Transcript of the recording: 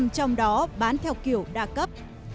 chín mươi trong đó bán theo kiểu đa cấp